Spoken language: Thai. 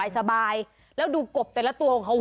สบายแล้วดูกบแต่ละตัวของเขา